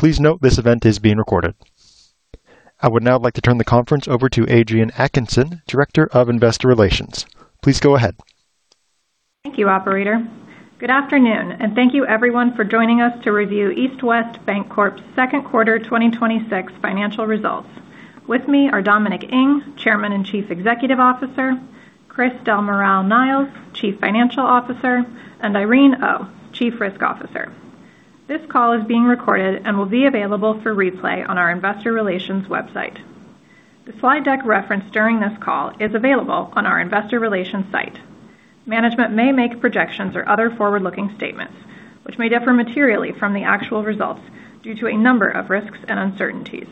Please note this event is being recorded. I would now like to turn the conference over to Adrienne Atkinson, Director of Investor Relations. Please go ahead. Thank you, operator. Good afternoon, and thank you everyone for joining us to review East West Bancorp's second quarter 2026 financial results. With me are Dominic Ng, Chairman and Chief Executive Officer, Chris Del Moral-Niles, Chief Financial Officer, and Irene Oh, Chief Risk Officer. This call is being recorded and will be available for replay on our Investor Relations website. The slide deck referenced during this call is available on our investor relations site. Management may make projections or other forward-looking statements, which may differ materially from the actual results due to a number of risks and uncertainties.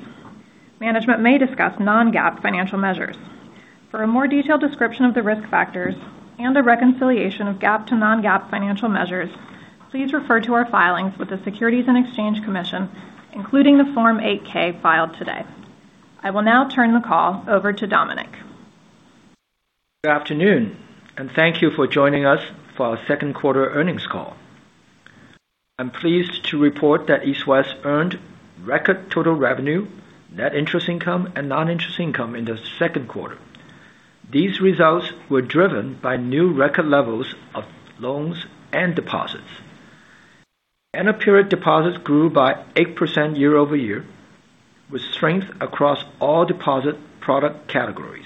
Management may discuss non-GAAP financial measures. For a more detailed description of the risk factors and a reconciliation of GAAP to non-GAAP financial measures, please refer to our filings with the Securities and Exchange Commission, including the Form 8-K filed today. I will now turn the call over to Dominic. Good afternoon and thank you for joining us for our second quarter earnings call. I am pleased to report that East West earned record total revenue, net interest income and non-interest income in the second quarter. These results were driven by new record levels of loans and deposits. End-of-period deposits grew by 8% year-over-year, with strength across all deposit product categories.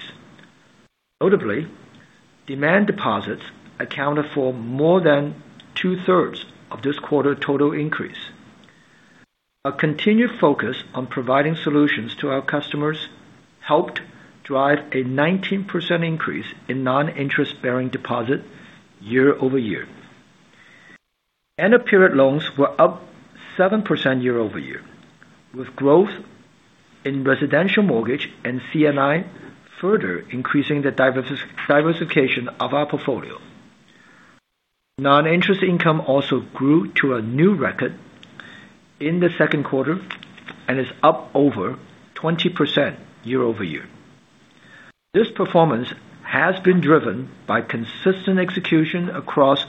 Notably, demand deposits accounted for more than two-thirds of this quarter total increase. A continued focus on providing solutions to our customers helped drive a 19% increase in non-interest-bearing deposit year-over-year. End-of-period loans were up 7% year-over-year, with growth in residential mortgage and C&I further increasing the diversification of our portfolio. Non-interest income also grew to a new record in the second quarter and is up over 20% year-over-year. This performance has been driven by consistent execution across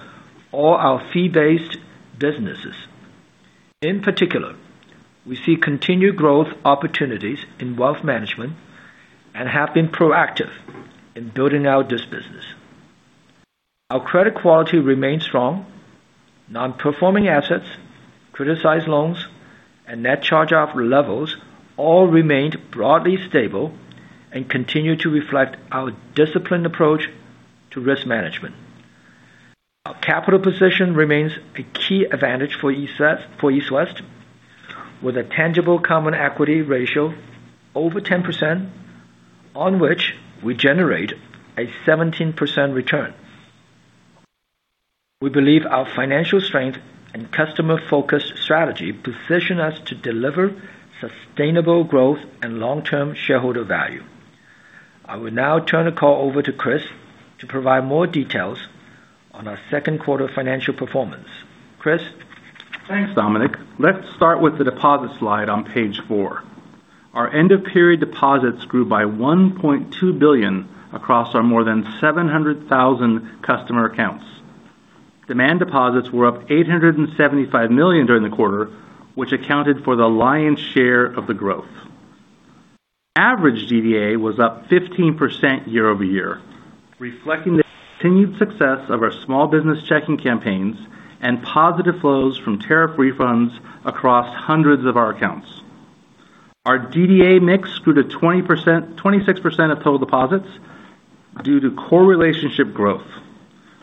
all our fee-based businesses. In particular, we see continued growth opportunities in wealth management and have been proactive in building out this business. Our credit quality remains strong. Non-performing assets, criticized loans, and net charge-off levels all remained broadly stable and continue to reflect our disciplined approach to risk management. Our capital position remains a key advantage for East West, with a tangible common equity ratio over 10%, on which we generate a 17% return. We believe our financial strength and customer-focused strategy position us to deliver sustainable growth and long-term shareholder value. I will now turn the call over to Chris to provide more details on our second quarter financial performance. Chris? Thanks, Dominic. Let's start with the deposit slide on page four. Our end-of-period deposits grew by $1.2 billion across our more than 700,000 customer accounts. Demand deposits were up $875 million during the quarter, which accounted for the lion's share of the growth. Average DDA was up 15% year-over-year, reflecting the continued success of our small business checking campaigns and positive flows from tariff refunds across hundreds of our accounts. Our DDA mix grew to 26% of total deposits due to core relationship growth.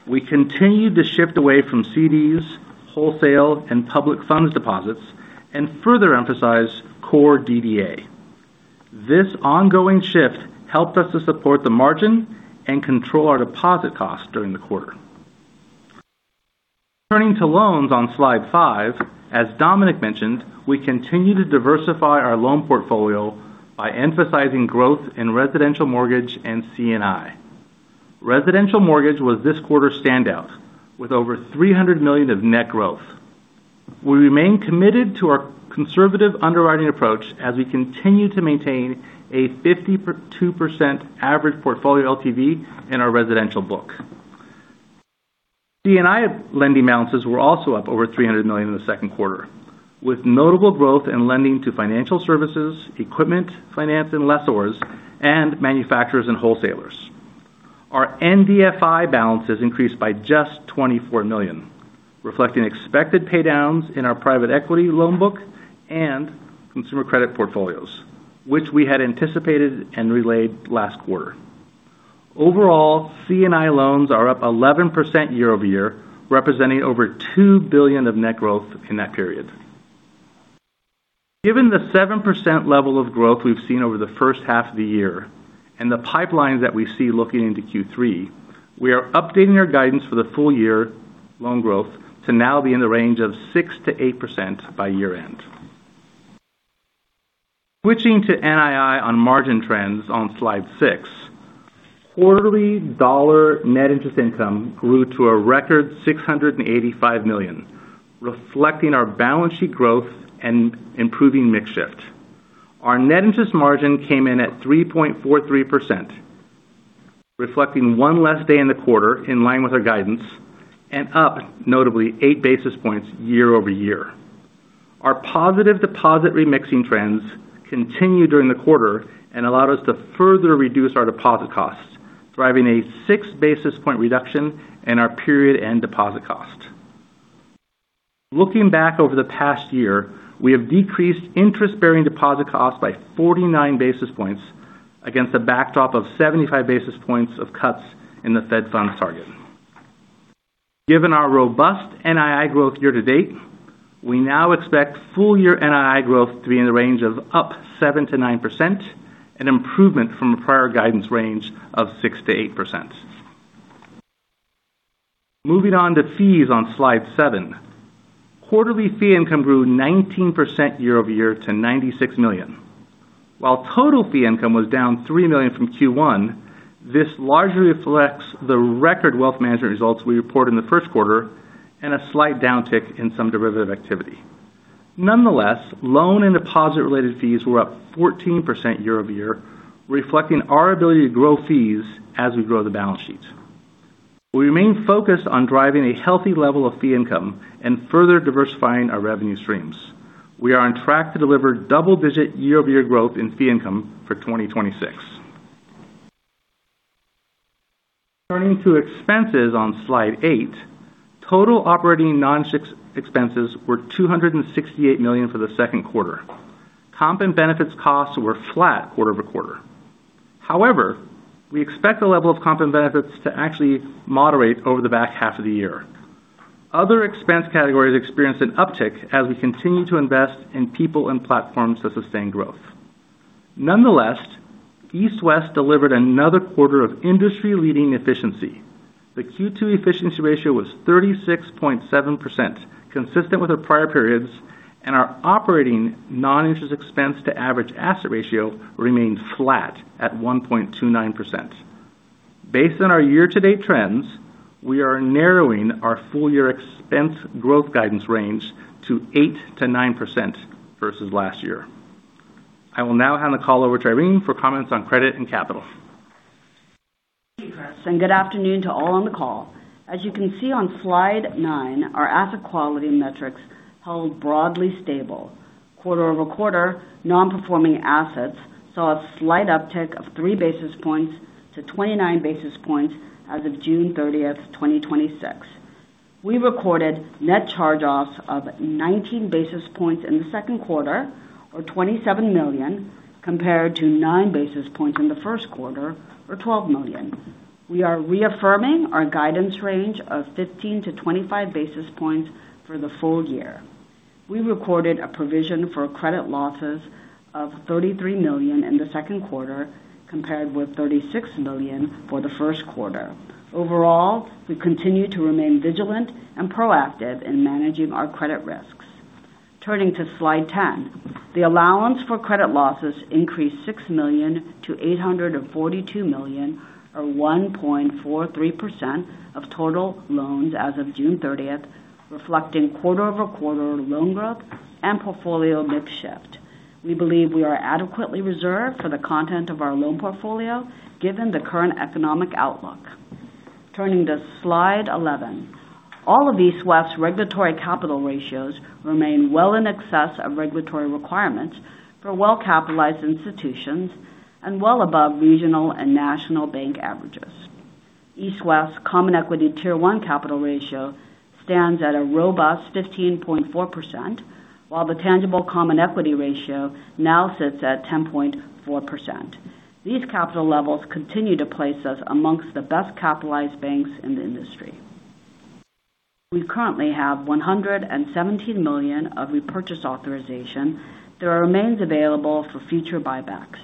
We continued to shift away from CDs, wholesale, and public funds deposits and further emphasize core DDA. This ongoing shift helped us to support the margin and control our deposit costs during the quarter. Turning to loans on slide five, as Dominic mentioned, we continue to diversify our loan portfolio by emphasizing growth in residential mortgage and C&I. Residential mortgage was this quarter's standout, with over $300 million of net growth. We remain committed to our conservative underwriting approach as we continue to maintain a 52% average portfolio LTV in our residential book. C&I lending balances were also up over $300 million in the second quarter, with notable growth in lending to financial services, equipment finance and lessors, and manufacturers and wholesalers. Our NDFI balances increased by just $24 million, reflecting expected paydowns in our private equity loan book and consumer credit portfolios, which we had anticipated and relayed last quarter. Overall, C&I loans are up 11% year-over-year, representing over $2 billion of net growth in that period. Given the 7% level of growth we've seen over the first half of the year and the pipeline that we see looking into Q3, we are updating our guidance for the full-year loan growth to now be in the range of 6%-8% by year end. Switching to NII on margin trends on slide six. Quarterly dollar net interest income grew to a record $685 million, reflecting our balance sheet growth and improving mix shift. Our net interest margin came in at 3.43%. Reflecting one less day in the quarter, in line with our guidance, and up notably 8 basis points year-over-year. Our positive deposit remixing trends continued during the quarter and allowed us to further reduce our deposit costs, driving a 6 basis point reduction in our period end deposit cost. Looking back over the past year, we have decreased interest-bearing deposit costs by 49 basis points against a backdrop of 75 basis points of cuts in the Fed funds target. Given our robust NII growth year-to-date, we now expect full-year NII growth to be in the range of up seven to 9%, an improvement from a prior guidance range of 6%-8%. Moving on to fees on slide seven. Quarterly fee income grew 19% year-over-year to $96 million. While total fee income was down $3 million from Q1, this largely reflects the record wealth management results we reported in the first quarter and a slight downtick in some derivative activity. Nonetheless, loan and deposit-related fees were up 14% year-over-year, reflecting our ability to grow fees as we grow the balance sheet. We remain focused on driving a healthy level of fee income and further diversifying our revenue streams. We are on track to deliver double-digit year-over-year growth in fee income for 2026. Turning to expenses on slide eight. Total operating non-interest expenses were $268 million for the second quarter. Comp and benefits costs were flat quarter-over-quarter. We expect the level of comp and benefits to actually moderate over the back half of the year. Other expense categories experienced an uptick as we continue to invest in people and platforms to sustain growth. Nonetheless, East West delivered another quarter of industry-leading efficiency. The Q2 efficiency ratio was 36.7%, consistent with the prior periods, and our operating non-interest expense to average asset ratio remained flat at 1.29%. Based on our year-to-date trends, we are narrowing our full-year expense growth guidance range to 8%-9% versus last year. I will now hand the call over to Irene for comments on credit and capital. Thank you, Chris. Good afternoon to all on the call. As you can see on slide nine, our asset quality metrics held broadly stable. Quarter-over-quarter, non-performing assets saw a slight uptick of 3 basis points to 29 basis points as of June 30th, 2026. We recorded net charge-offs of 19 basis points in the second quarter, or $27 million, compared to 9 basis points in the first quarter, or $12 million. We are reaffirming our guidance range of 15-25 basis points for the full-year. We recorded a provision for credit losses of $33 million in the second quarter, compared with $36 million for the first quarter. Overall, we continue to remain vigilant and proactive in managing our credit risks. Turning to slide 10. The allowance for credit losses increased $6 million to $842 million, or 1.43% of total loans as of June 30th, reflecting quarter-over-quarter loan growth and portfolio mix shift. We believe we are adequately reserved for the content of our loan portfolio given the current economic outlook. Turning to slide 11. All of East West's regulatory capital ratios remain well in excess of regulatory requirements for well-capitalized institutions and well above regional and national bank averages. East West's common equity Tier 1 capital ratio stands at a robust 15.4%, while the tangible common equity ratio now sits at 10.4%. These capital levels continue to place us amongst the best-capitalized banks in the industry. We currently have $117 million of repurchase authorization that remains available for future buybacks.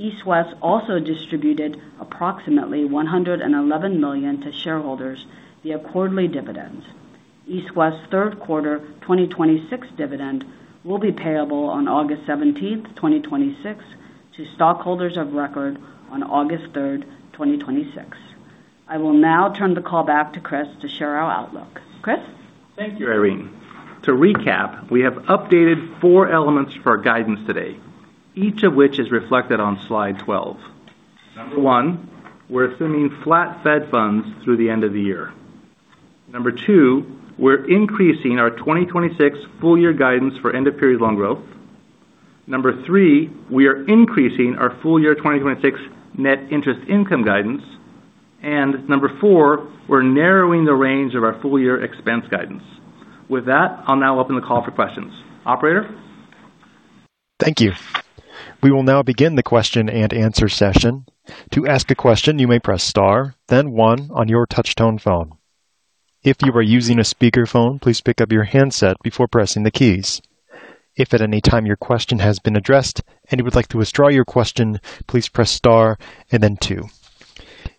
East West also distributed approximately $111 million to shareholders via quarterly dividends. East West's third quarter 2026 dividend will be payable on August 17th, 2026, to stockholders of record on August 3rd, 2026. I will now turn the call back to Chris to share our outlook. Chris? Thank you, Irene. To recap, we have updated four elements for our guidance today, each of which is reflected on slide 12. Number one, we're assuming flat Fed funds through the end of the year. Number two, we're increasing our 2026 full-year guidance for end of period loan growth. Number three, we are increasing our full-year 2026 net interest income guidance. Number four, we're narrowing the range of our full-year expense guidance. With that, I'll now open the call for questions. Operator? Thank you. We will now begin the question and answer session. To ask a question, you may press star then one on your touch-tone phone. If you are using a speakerphone, please pick up your handset before pressing the keys. If at any time your question has been addressed and you would like to withdraw your question, please press star and then two.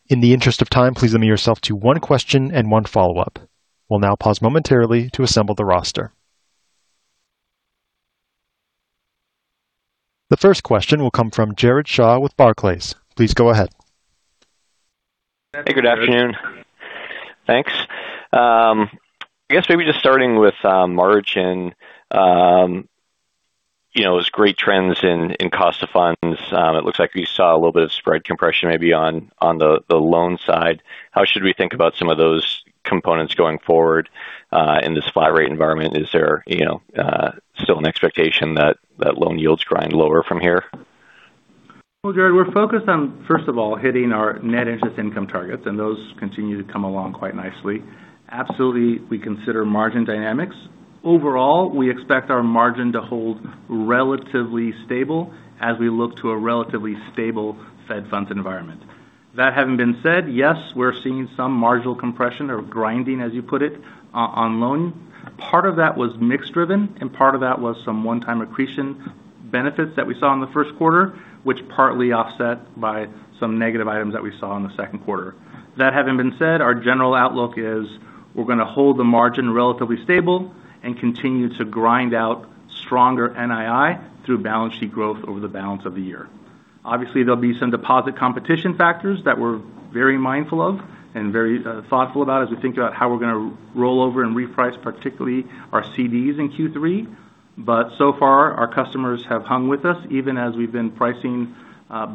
In the interest of time, please limit yourself to one question and one follow-up. We'll now pause momentarily to assemble the roster. The first question will come from Jared Shaw with Barclays. Please go ahead. Hey, good afternoon. Thanks. I guess maybe just starting with margin. Those great trends in cost of funds. It looks like we saw a little bit of spread compression maybe on the loan side. How should we think about some of those components going forward in this flat rate environment? Is there still an expectation that loan yields grind lower from here? Well, Jared, we're focused on, first of all, hitting our net interest income targets, and those continue to come along quite nicely. Absolutely, we consider margin dynamics. Overall, we expect our margin to hold relatively stable as we look to a relatively stable Fed funds environment. That having been said, yes, we're seeing some marginal compression or grinding, as you put it, on loan. Part of that was mix driven, and part of that was some one-time accretion benefits that we saw in the first quarter, which partly offset by some negative items that we saw in the second quarter. That having been said, our general outlook is we're going to hold the margin relatively stable and continue to grind out stronger NII through balance sheet growth over the balance of the year. There'll be some deposit competition factors that we're very mindful of and very thoughtful about as we think about how we're going to roll over and reprice, particularly our CDs in Q3. So far, our customers have hung with us even as we've been pricing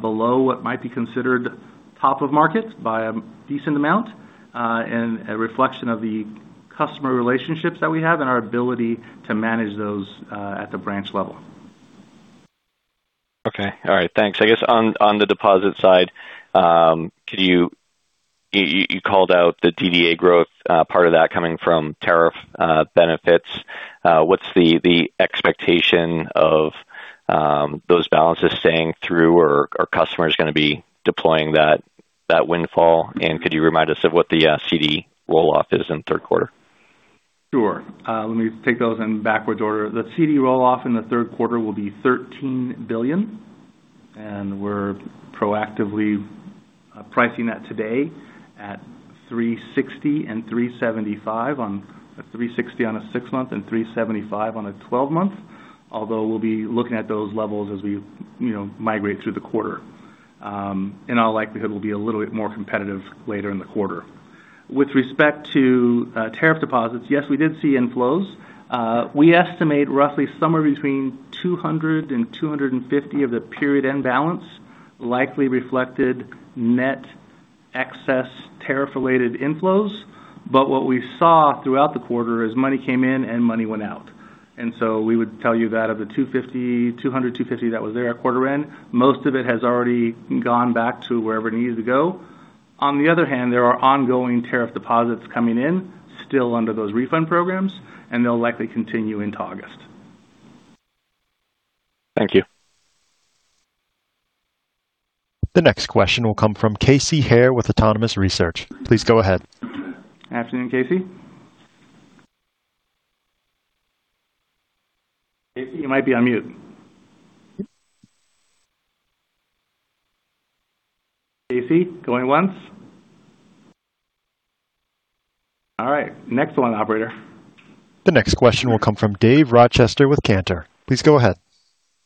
below what might be considered top of market by a decent amount, and a reflection of the customer relationships that we have and our ability to manage those at the branch level. Okay. All right. Thanks. I guess on the deposit side, you called out the DDA growth, part of that coming from tariff benefits. What's the expectation of those balances staying through or are customers going to be deploying that windfall? Could you remind us of what the CD roll-off is in the third quarter? Sure. Let me take those in backwards order. The CD roll-off in the third quarter will be $13 billion. We're proactively pricing that today at 360 on a six-month and 375 on a 12-month, although we'll be looking at those levels as we migrate through the quarter. In all likelihood, we'll be a little bit more competitive later in the quarter. With respect to tariff deposits, yes, we did see inflows. We estimate roughly somewhere between $200 million and $250 million of the period end balance likely reflected net excess tariff-related inflows. What we saw throughout the quarter is money came in and money went out. We would tell you that of the $200 million, $250 million that was there at quarter end, most of it has already gone back to wherever it needed to go. On the other hand, there are ongoing tariff deposits coming in still under those refund programs, and they'll likely continue into August. Thank you. The next question will come from Casey Haire with Autonomous Research. Please go ahead. Afternoon, Casey. Casey, you might be on mute. Casey, going once. All right, next one, operator. The next question will come from Dave Rochester with Cantor. Please go ahead.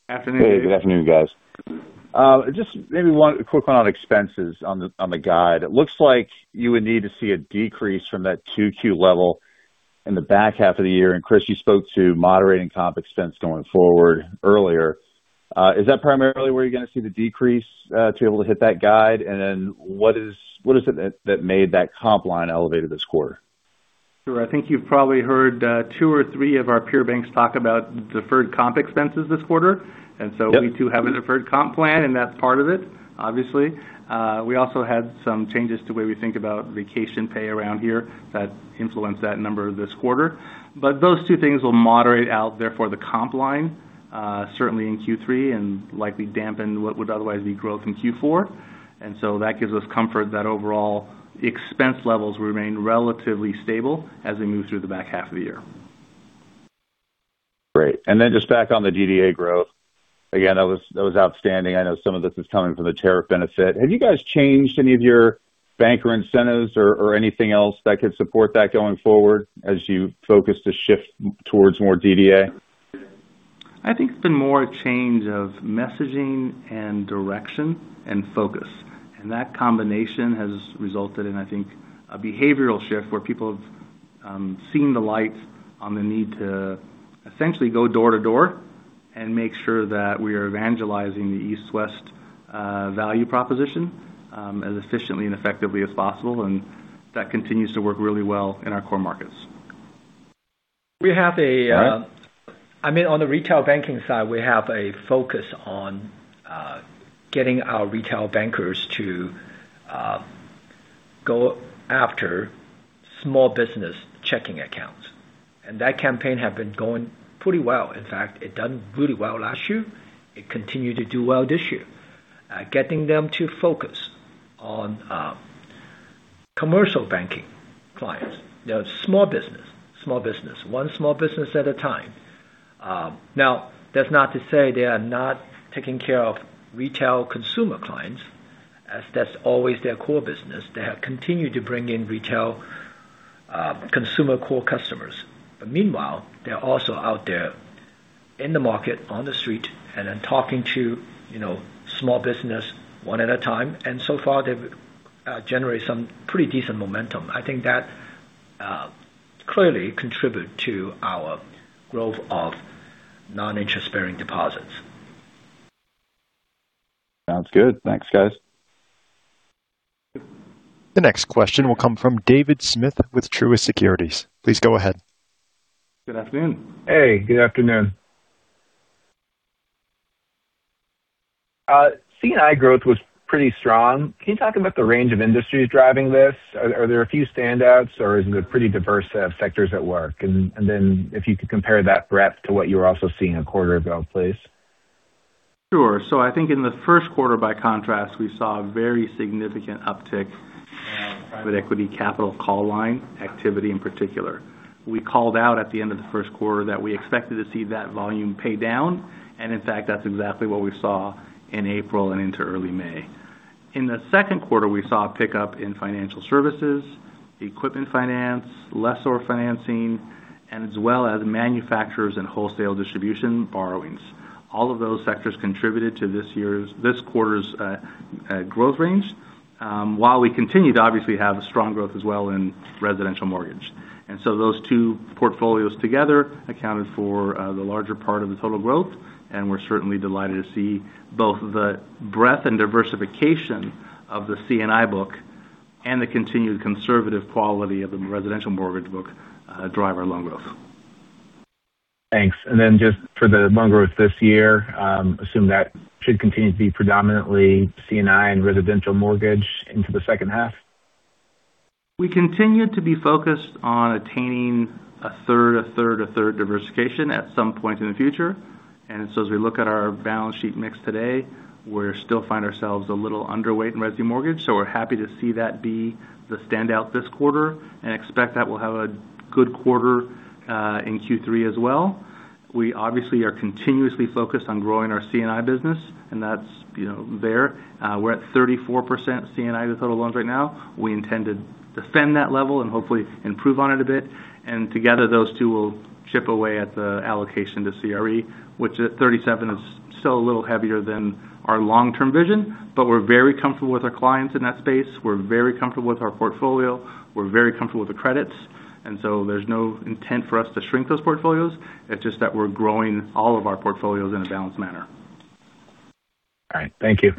Afternoon, Dave. Hey, good afternoon, guys. Just maybe one quick one on expenses on the guide. It looks like you would need to see a decrease from that 2Q level in the back half of the year. Chris, you spoke to moderating comp expense going forward earlier. Is that primarily where you're going to see the decrease to be able to hit that guide? And then what is it that made that comp line elevated this quarter? Sure. I think you've probably heard two or three of our peer banks talk about deferred comp expenses this quarter. Yep. We too have a deferred comp plan, and that's part of it, obviously. We also had some changes to the way we think about vacation pay around here that influenced that number this quarter. Those two things will moderate out, therefore the comp line certainly in Q3 and likely dampen what would otherwise be growth in Q4. That gives us comfort that overall expense levels remain relatively stable as we move through the back half of the year. Great. Just back on the DDA growth. Again, that was outstanding. I know some of this is coming from the tariff benefit. Have you guys changed any of your banker incentives or anything else that could support that going forward as you focus to shift towards more DDA? I think it's been more a change of messaging and direction and focus. That combination has resulted in, I think, a behavioral shift where people have seen the light on the need to essentially go door to door and make sure that we are evangelizing the East West value proposition as efficiently and effectively as possible. That continues to work really well in our core markets. We have a- All right. I mean, on the retail banking side, we have a focus on getting our retail bankers to go after small business checking accounts. That campaign has been going pretty well. In fact, it done really well last year. It continued to do well this year. Getting them to focus on commercial banking clients. They are small business. One small business at a time. That's not to say they are not taking care of retail consumer clients, as that's always their core business. They have continued to bring in retail consumer core customers. Meanwhile, they're also out there in the market, on the street, and then talking to small business one at a time. So far, they've generated some pretty decent momentum. I think that clearly contribute to our growth of non-interest-bearing deposits. Sounds good. Thanks, guys. The next question will come from David Smith with Truist Securities. Please go ahead. Good afternoon. Hey, good afternoon. C&I growth was pretty strong. Can you talk about the range of industries driving this? Are there a few standouts, or is it a pretty diverse set of sectors at work? If you could compare that breadth to what you were also seeing a quarter ago, please. Sure. I think in the first quarter, by contrast, we saw a very significant uptick in our private equity capital call line activity in particular. We called out at the end of the first quarter that we expected to see that volume pay down, and in fact, that's exactly what we saw in April and into early May. In the second quarter, we saw a pickup in financial services, equipment finance, lessor financing, and as well as manufacturers and wholesale distribution borrowings. All of those sectors contributed to this quarter's growth range, while we continue to obviously have a strong growth as well in residential mortgage. Those two portfolios together accounted for the larger part of the total growth, and we're certainly delighted to see both the breadth and diversification of the C&I book and the continued conservative quality of the residential mortgage book drive our loan growth. Thanks. Just for the loan growth this year, assume that should continue to be predominantly C&I and residential mortgage into the second half? We continue to be focused on attaining a third, a third, a third diversification at some point in the future. As we look at our balance sheet mix today, we still find ourselves a little underweight in resi mortgage. We're happy to see that be the standout this quarter and expect that we'll have a good quarter in Q3 as well. We obviously are continuously focused on growing our C&I business, and that's there. We're at 34% C&I of total loans right now. We intend to defend that level and hopefully improve on it a bit. Together, those two will chip away at the allocation to CRE, which at 37% is still a little heavier than our long-term vision, but we're very comfortable with our clients in that space. We're very comfortable with our portfolio. We're very comfortable with the credits, there's no intent for us to shrink those portfolios. It's just that we're growing all of our portfolios in a balanced manner. All right. Thank you.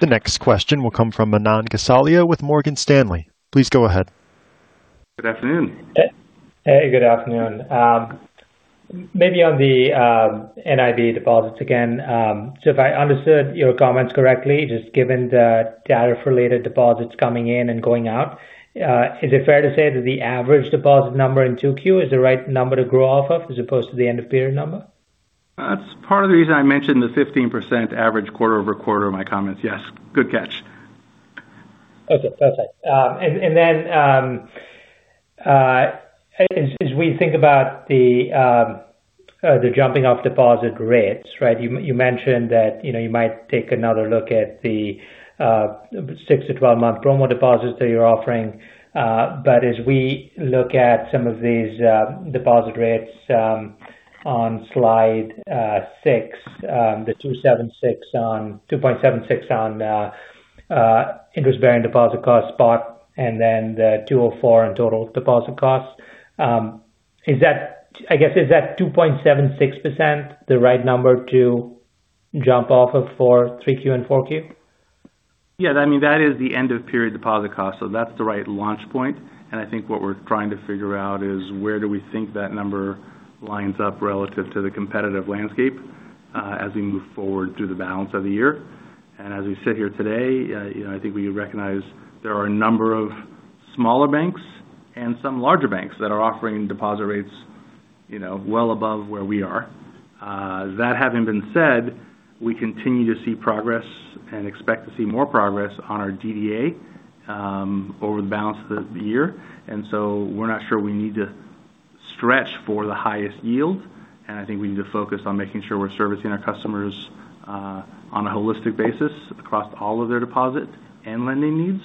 The next question will come from Manan Gosalia with Morgan Stanley. Please go ahead. Good afternoon. Hey, good afternoon. Maybe on the NIB deposits again. If I understood your comments correctly, just given the tariff-related deposits coming in and going out, is it fair to say that the average deposit number in 2Q is the right number to grow off of as opposed to the end of period number? That's part of the reason I mentioned the 15% average quarter-over-quarter in my comments. Yes, good catch. Okay. As we think about the jumping off deposit rates. You mentioned that you might take another look at the 6-12-month promo deposits that you're offering. As we look at some of these deposit rates on slide six, the 2.76% on interest-bearing deposit cost spot, and then the 2.04% on total deposit costs. I guess, is that 2.76% the right number to jump off of for 3Q and 4Q? Yeah, that is the end of period deposit cost. That's the right launch point, I think what we're trying to figure out is where do we think that number lines up relative to the competitive landscape as we move forward through the balance of the year. As we sit here today, I think we recognize there are a number of smaller banks and some larger banks that are offering deposit rates well above where we are. That having been said, we continue to see progress and expect to see more progress on our DDA over the balance of the year. We're not sure we need to stretch for the highest yield, I think we need to focus on making sure we're servicing our customers on a holistic basis across all of their deposit and lending needs,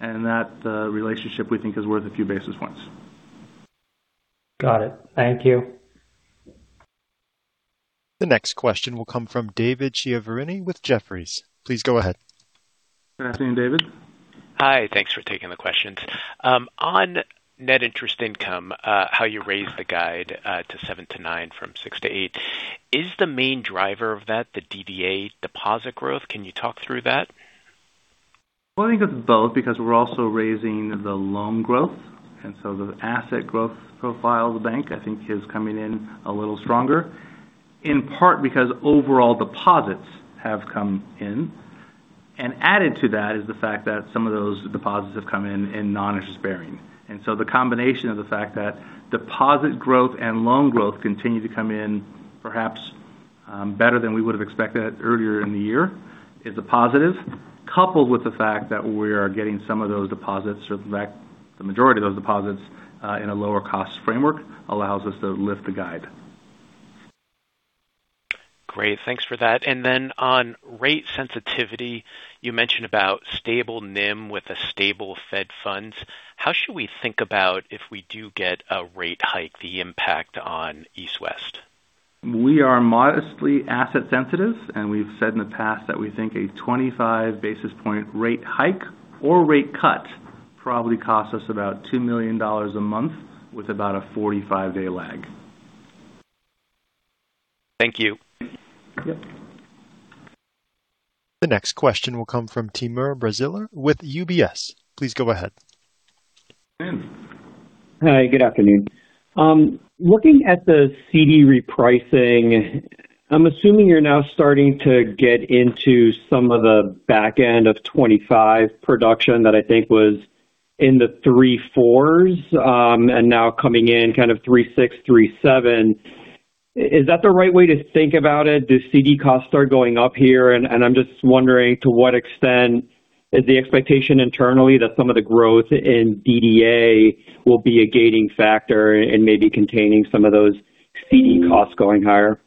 that the relationship we think is worth a few basis points. Got it. Thank you. The next question will come from David Chiaverini with Jefferies. Please go ahead. Good afternoon, David. Hi. Thanks for taking the questions. On net interest income, how you raised the guide to 7%-9% from 6%-8%, is the main driver of that the DDA deposit growth? Can you talk through that? Well, I think it's both because we're also raising the loan growth, so the asset growth profile of the bank, I think, is coming in a little stronger, in part because overall deposits have come in. Added to that is the fact that some of those deposits have come in in non-interest-bearing. So the combination of the fact that deposit growth and loan growth continue to come in perhaps better than we would've expected earlier in the year is a positive, coupled with the fact that we are getting some of those deposits or the fact the majority of those deposits in a lower cost framework allows us to lift the guide. Great. Thanks for that. Then on rate sensitivity, you mentioned about stable NIM with a stable Fed funds. How should we think about if we do get a rate hike, the impact on East West? We are modestly asset sensitive, and we've said in the past that we think a 25 basis point rate hike or rate cut probably costs us about $2 million a month with about a 45-day lag. Thank you. The next question will come from Timur Braziler with UBS. Please go ahead. Tim. Hi. Good afternoon. Looking at the CD repricing, I'm assuming you're now starting to get into some of the back end of 2025 production that I think was in the three fours, and now coming in kind of three six, three seven. Is that the right way to think about it? Do CD costs start going up here? I'm just wondering to what extent is the expectation internally that some of the growth in DDA will be a gating factor in maybe containing some of those CD costs going higher?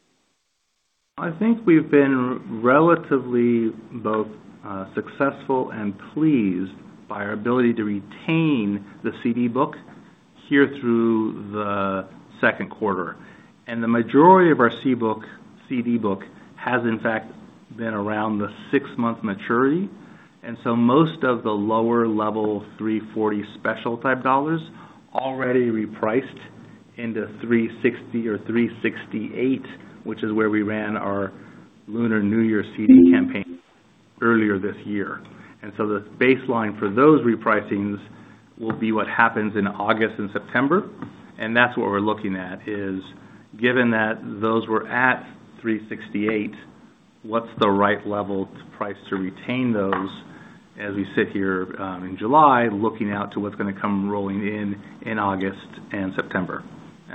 I think we've been relatively both successful and pleased by our ability to retain the CD book here through the second quarter. The majority of our CD book has in fact been around the six-month maturity. So most of the lower level 340 special type dollars already repriced into 360 or 368, which is where we ran our Lunar New Year CD campaign earlier this year. The baseline for those repricings will be what happens in August and September. That's what we're looking at is given that those were at 368, what's the right level to price to retain those as we sit here, in July looking out to what's going to come rolling in August and September.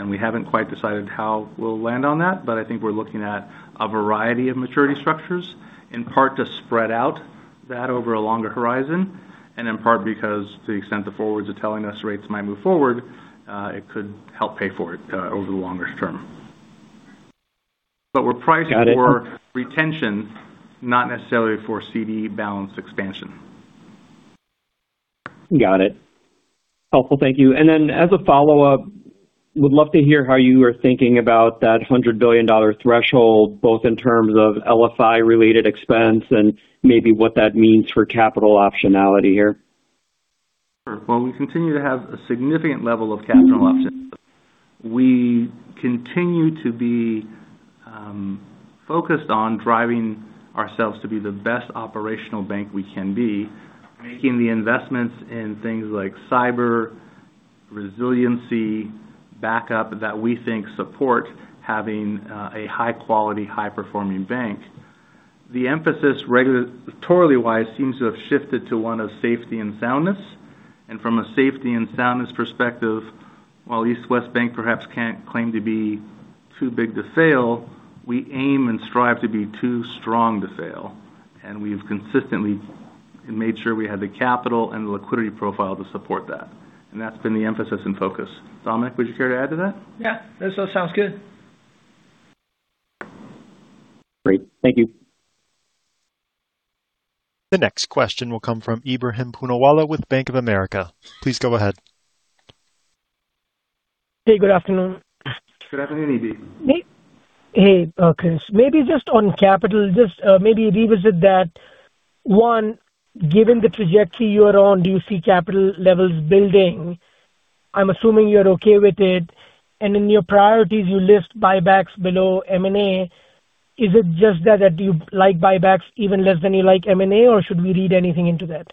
We haven't quite decided how we'll land on that, I think we're looking at a variety of maturity structures, in part to spread out that over a longer horizon, in part because the extent the forwards are telling us rates might move forward, it could help pay for it over the longer term. We're pricing for retention, not necessarily for CD balance expansion. Got it. Helpful. Thank you. As a follow-up, would love to hear how you are thinking about that $100 billion threshold, both in terms of LFI related expense and maybe what that means for capital optionality here. We continue to have a significant level of capital options. We continue to be focused on driving ourselves to be the best operational bank we can be. Making the investments in things like cyber resiliency backup that we think support having a high quality, high performing bank. The emphasis regulatorily wise seems to have shifted to one of safety and soundness. From a safety and soundness perspective, while East West Bank perhaps can't claim to be too big to fail, we aim and strive to be too strong to fail. We've consistently made sure we have the capital and the liquidity profile to support that. That's been the emphasis and focus. Dominic, would you care to add to that? Yeah. That sounds good. Great. Thank you. The next question will come from Ebrahim Poonawala with Bank of America. Please go ahead. Hey, good afternoon. Good afternoon, Ebrahim. Hey, Chris. Maybe just on capital, just maybe revisit that one, given the trajectory you're on, do you see capital levels building? I'm assuming you're okay with it, and in your priorities, you list buybacks below M&A. Is it just that you like buybacks even less than you like M&A, or should we read anything into that?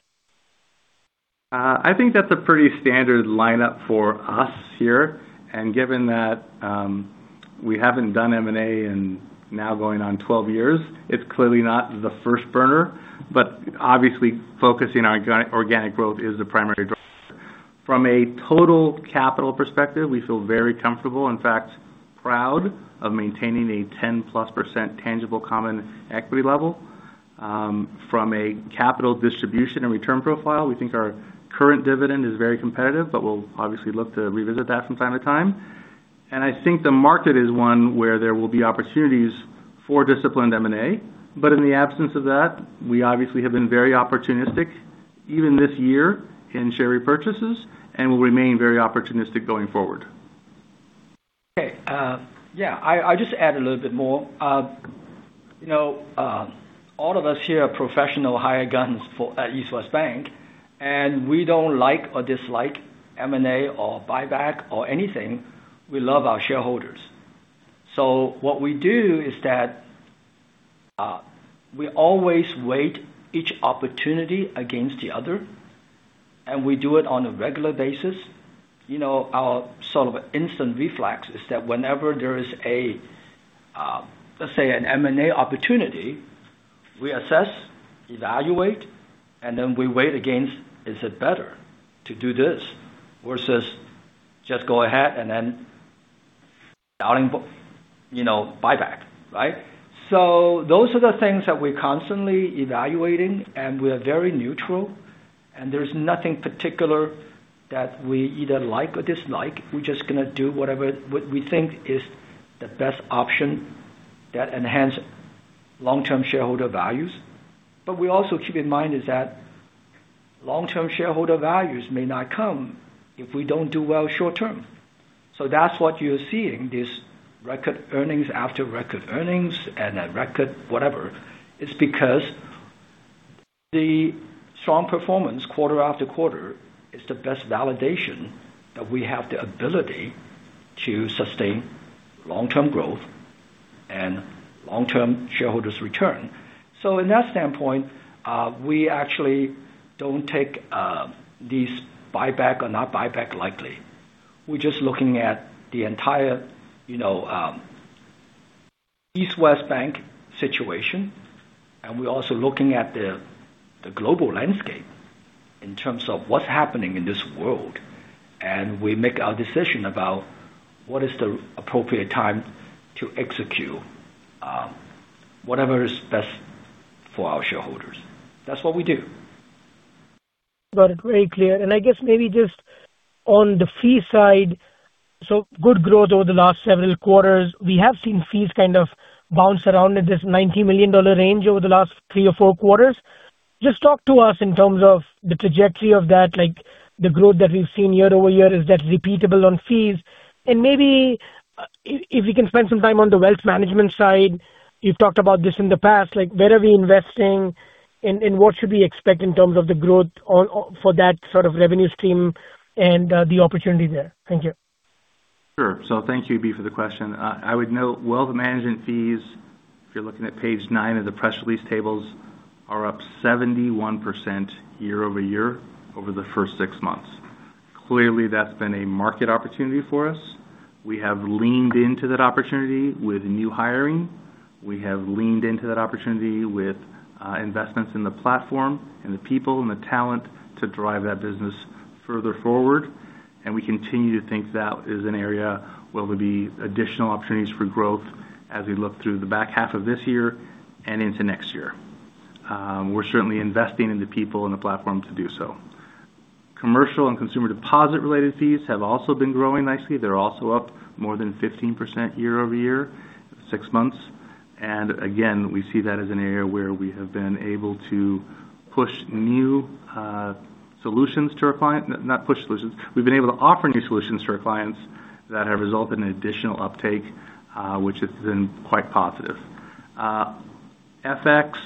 I think that's a pretty standard lineup for us here. Given that, we haven't done M&A in now going on 12 years, it's clearly not the first burner. Obviously focusing on organic growth is the primary driver. From a total capital perspective, we feel very comfortable, in fact, proud of maintaining a 10%+ tangible common equity level. From a capital distribution and return profile, we think our current dividend is very competitive, but we'll obviously look to revisit that from time to time. I think the market is one where there will be opportunities for disciplined M&A. In the absence of that, we obviously have been very opportunistic even this year in share repurchases and will remain very opportunistic going forward. Okay. Yeah, I'll just add a little bit more. All of us here are professional hire guns at East West Bank, we don't like or dislike M&A or buyback or anything. We love our shareholders. What we do is that, we always weight each opportunity against the other, we do it on a regular basis. Our instant reflex is that whenever there is a, let's say, an M&A opportunity, we assess, evaluate, then we weigh against, is it better to do this versus just go ahead and then buyback, right? Those are the things that we're constantly evaluating, we are very neutral. There's nothing particular that we either like or dislike. We're just going to do whatever we think is the best option that enhance long-term shareholder values. We also keep in mind is that long-term shareholder values may not come if we don't do well short term. That's what you're seeing, this record earnings after record earnings and a record whatever. It's because the strong performance quarter after quarter is the best validation that we have the ability to sustain long-term growth and long-term shareholders return. In that standpoint, we actually don't take these buyback or not buyback lightly. We're just looking at the entire East West Bank situation, and we're also looking at the global landscape in terms of what's happening in this world. We make our decision about what is the appropriate time to execute whatever is best for our shareholders. That's what we do. Got it. Very clear. I guess maybe just on the fee side, good growth over the last several quarters. We have seen fees kind of bounce around in this $90 million range over the last three or four quarters. Just talk to us in terms of the trajectory of that, the growth that we've seen year-over-year. Is that repeatable on fees? Maybe if we can spend some time on the wealth management side. You've talked about this in the past, where are we investing and what should we expect in terms of the growth for that sort of revenue stream and the opportunity there? Thank you. Sure. Thank you, Ebrahim, for the question. I would note wealth management fees, if you're looking at page nine of the press release tables, are up 71% year-over-year over the first six months. Clearly, that's been a market opportunity for us. We have leaned into that opportunity with new hiring. We have leaned into that opportunity with investments in the platform and the people and the talent to drive that business further forward. We continue to think that is an area where there'll be additional opportunities for growth as we look through the back half of this year and into next year. We're certainly investing in the people and the platform to do so. Commercial and consumer deposit related fees have also been growing nicely. They're also up more than 15% year-over-year, six months. Again, we see that as an area where we have been able to push new solutions. We've been able to offer new solutions to our clients that have resulted in additional uptake, which has been quite positive. FX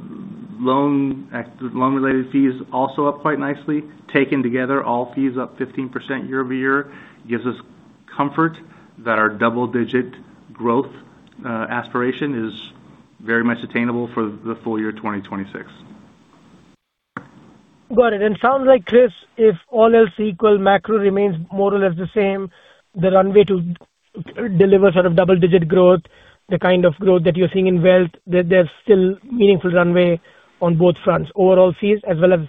loan related fees also up quite nicely. Taken together, all fees up 15% year-over-year gives us comfort that our double-digit growth aspiration is very much attainable for the full-year 2026. Got it. Sounds like, Chris, if all else equal, macro remains more or less the same, the runway to deliver sort of double-digit growth, the kind of growth that you're seeing in wealth, that there's still meaningful runway on both fronts, overall fees as well as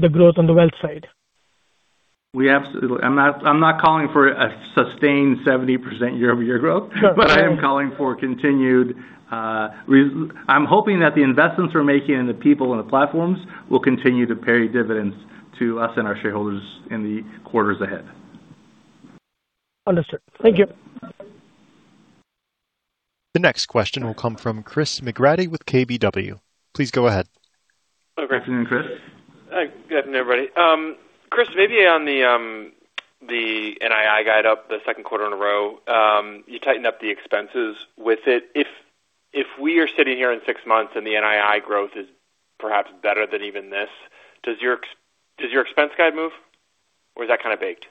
the growth on the wealth side. I'm not calling for a sustained 70% year-over-year growth. Got it. I am calling for continued. I'm hoping that the investments we're making in the people and the platforms will continue to pay dividends to us and our shareholders in the quarters ahead. Understood. Thank you. The next question will come from Chris McGratty with KBW. Please go ahead. Good afternoon, Chris. Good afternoon, everybody. Chris, maybe on the NII guide up the second quarter in a row, you tightened up the expenses with it. If we are sitting here in six months and the NII growth is perhaps better than even this, does your expense guide move or is that kind of baked?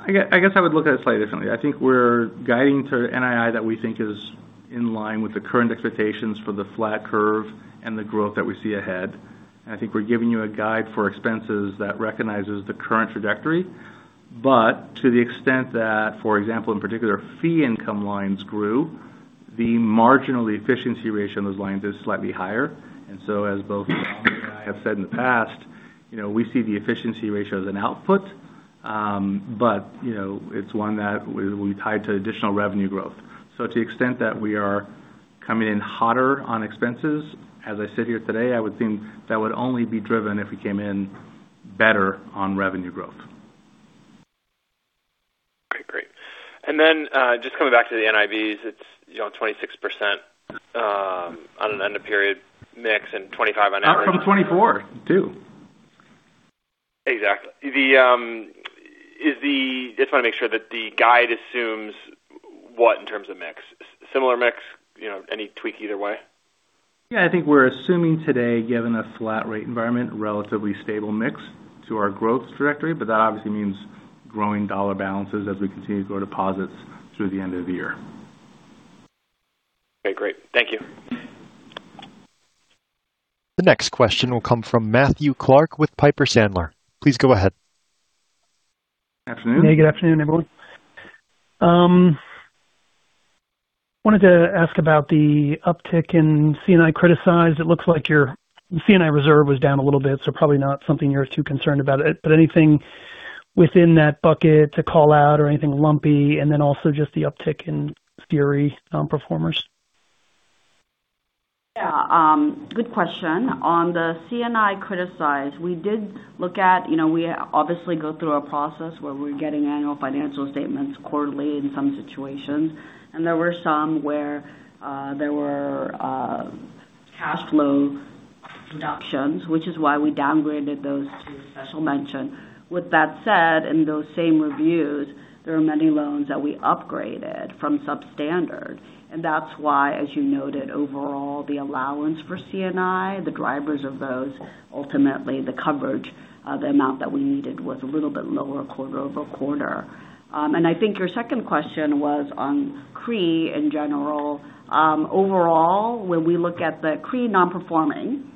I guess I would look at it slightly differently. I think we're guiding to NII that we think is in line with the current expectations for the flat curve and the growth that we see ahead. I think we're giving you a guide for expenses that recognizes the current trajectory. To the extent that, for example, in particular fee income lines grew, the marginal efficiency ratio on those lines is slightly higher. As both Dominic and I have said in the past, we see the efficiency ratio as an output, but it's one that we tie to additional revenue growth. To the extent that we are coming in hotter on expenses, as I sit here today, I would think that would only be driven if we came in better on revenue growth. Okay, great. Just coming back to the NIBs, it's 26% on an end of period mix and 25% on average. Up from 24% too. Exactly. Just want to make sure that the guide assumes what in terms of mix. Similar mix? Any tweak either way? Yeah, I think we're assuming today, given a flat rate environment, relatively stable mix to our growth trajectory, but that obviously means growing dollar balances as we continue to grow deposits through the end of the year. Okay, great. Thank you. The next question will come from Matthew Clark with Piper Sandler. Please go ahead. Afternoon. Hey, good afternoon, everyone. Wanted to ask about the uptick in C&I criticized. It looks like your C&I reserve was down a little bit, so probably not something you're too concerned about it, but anything within that bucket to call out or anything lumpy, and then also just the uptick in CRE non-performers. Yeah. Good question. On the C&I criticize, we obviously go through a process where we're getting annual financial statements quarterly in some situations, and there were some where there were cash flow reductions, which is why we downgraded those to special mention. With that said, in those same reviews, there are many loans that we upgraded from substandard, and that's why, as you noted, overall, the allowance for C&I, the drivers of those, ultimately the coverage of the amount that we needed was a little bit lower quarter-over-quarter. I think your second question was on CRE in general. Overall, when we look at the CRE non-performing,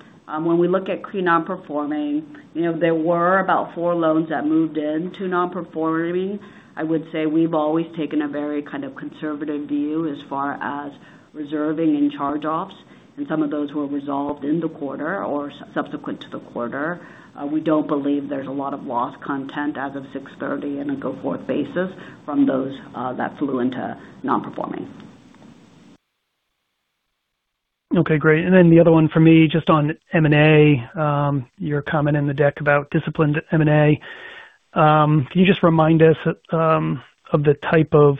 there were about four loans that moved into non-performing. I would say we've always taken a very conservative view as far as reserving and charge-offs, and some of those were resolved in the quarter or subsequent to the quarter. We don't believe there's a lot of loss content as of 6/30 on a go-forward basis from those that flew into non-performing. Okay, great. The other one for me, just on M&A, your comment in the deck about disciplined M&A. Can you just remind us of the type of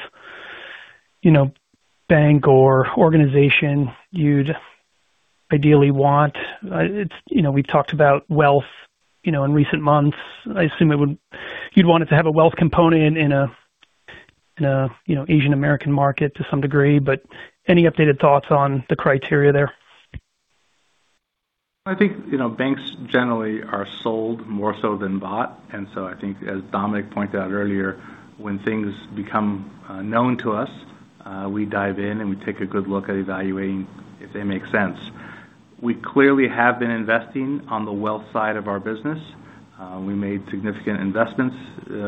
bank or organization you'd ideally want? We've talked about wealth in recent months. I assume you'd want it to have a wealth component in an Asian-American market to some degree, but any updated thoughts on the criteria there? I think banks generally are sold more so than bought. I think, as Dominic pointed out earlier, when things become known to us, we dive in and we take a good look at evaluating if they make sense. We clearly have been investing on the wealth side of our business. We made significant investments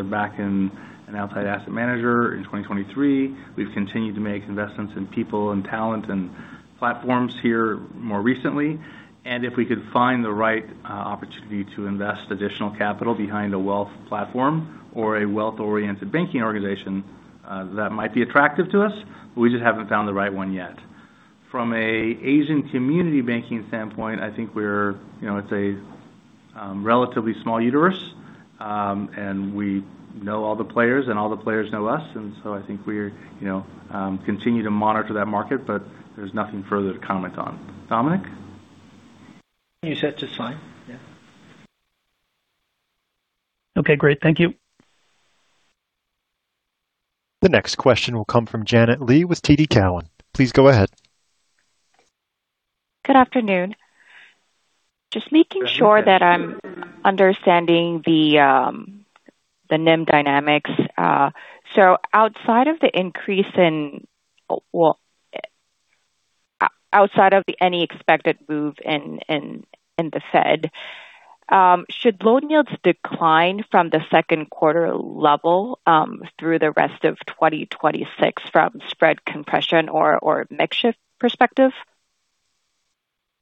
back in an outside asset manager in 2023. We've continued to make investments in people and talent and platforms here more recently. If we could find the right opportunity to invest additional capital behind a wealth platform or a wealth-oriented banking organization, that might be attractive to us, but we just haven't found the right one yet. From an Asian community banking standpoint, I think it's a relatively small universe. We know all the players and all the players know us. I think we continue to monitor that market, but there's nothing further to comment on. Dominic? Can you set to sign? Yeah. Okay, great. Thank you. The next question will come from Janet Lee with TD Cowen. Please go ahead. Good afternoon. Just making sure that I'm understanding the NIM dynamics. Outside of any expected move in the Fed, should loan yields decline from the second quarter level through the rest of 2026 from spread compression or mix shift perspective?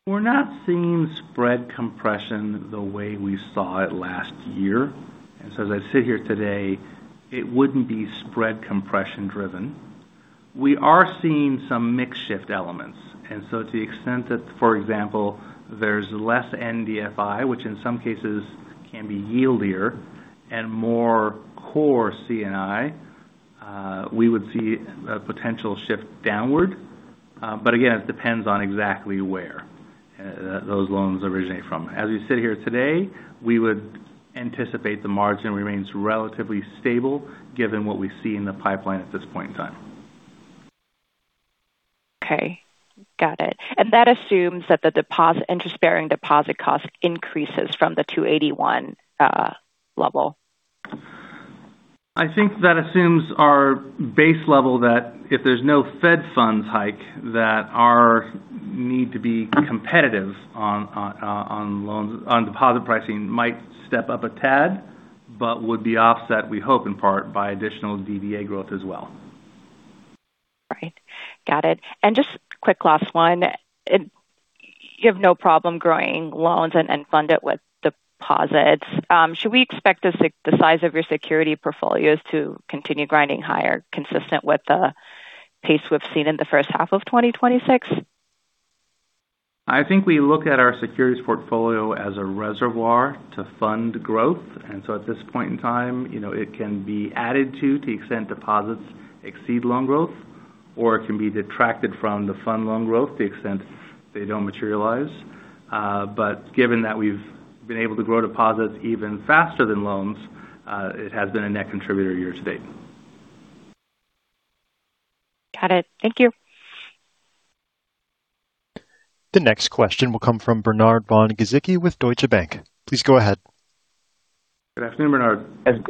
We're not seeing spread compression the way we saw it last year. As I sit here today, it wouldn't be spread compression driven. We are seeing some mix shift elements, and so to the extent that, for example, there's less NDFI, which in some cases can be yieldier and more core C&I we would see a potential shift downward. Again, it depends on exactly where those loans originate from. As we sit here today, we would anticipate the margin remains relatively stable given what we see in the pipeline at this point in time. Okay. Got it. That assumes that the interest-bearing deposit cost increases from the 2.81% level. I think that assumes our base level that if there's no Fed funds hike, that our need to be competitive on deposit pricing might step up a tad, but would be offset, we hope, in part, by additional DDA growth as well. Right. Got it. Just quick last one. You have no problem growing loans and fund it with deposits. Should we expect the size of your security portfolios to continue grinding higher, consistent with the pace we've seen in the first half of 2026? I think we look at our securities portfolio as a reservoir to fund growth. At this point in time, it can be added to the extent deposits exceed loan growth, or it can be detracted from the fund loan growth to the extent they don't materialize. Given that we've been able to grow deposits even faster than loans, it has been a net contributor year-to-date. Got it. Thank you. The next question will come from Bernard von-Gizycki with Deutsche Bank. Please go ahead. Good afternoon, Bernard.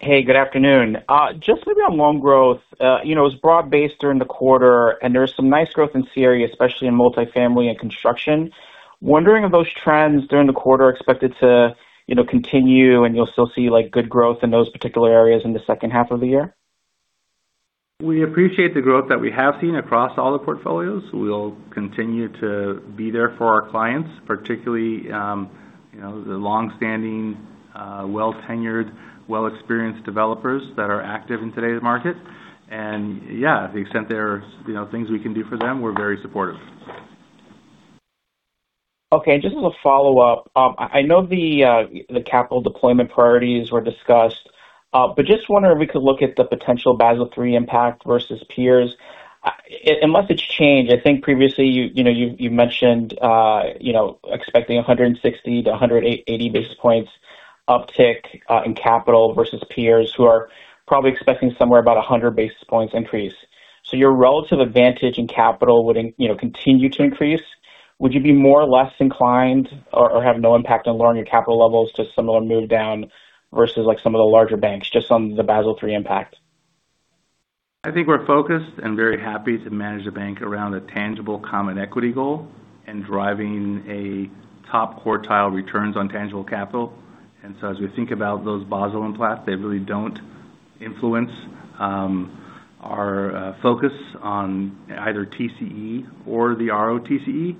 Hey, good afternoon. Just maybe on loan growth. It was broad-based during the quarter, and there was some nice growth in CRE, especially in multi-family and construction. Wondering if those trends during the quarter are expected to continue and you'll still see good growth in those particular areas in the second half of the year? We appreciate the growth that we have seen across all the portfolios. We'll continue to be there for our clients, particularly the longstanding, well-tenured, well-experienced developers that are active in today's market. The extent there's things we can do for them, we're very supportive. Okay. Just as a follow-up, I know the capital deployment priorities were discussed, but just wondering if we could look at the potential Basel III impact versus peers. Unless it's changed, I think previously you mentioned expecting 160-180 basis points uptick in capital versus peers who are probably expecting somewhere about 100 basis points increase. Your relative advantage in capital would continue to increase. Would you be more or less inclined or have no impact on lowering your capital levels to similar move down versus some of the larger banks, just on the Basel III impact? I think we're focused and very happy to manage the bank around a tangible common equity goal and driving a top quartile returns on tangible capital. As we think about those Basel III impacts, they really don't influence our focus on either TCE or the ROTCE.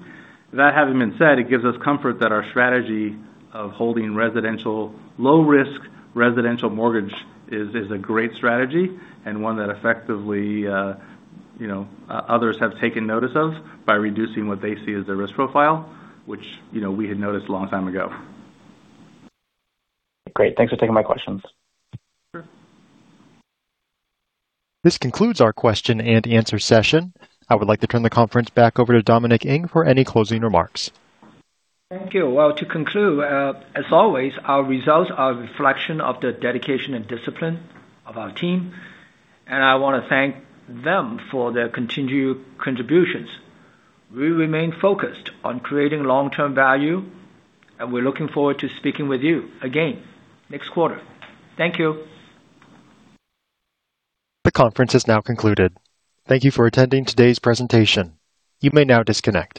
That having been said, it gives us comfort that our strategy of holding low risk residential mortgage is a great strategy and one that effectively others have taken notice of by reducing what they see as their risk profile, which we had noticed a long time ago. Great. Thanks for taking my questions. Sure. This concludes our question and answer session. I would like to turn the conference back over to Dominic Ng for any closing remarks. Thank you. Well, to conclude, as always, our results are a reflection of the dedication and discipline of our team, and I want to thank them for their continued contributions. We remain focused on creating long-term value, and we're looking forward to speaking with you again next quarter. Thank you. The conference is now concluded. Thank you for attending today's presentation. You may now disconnect.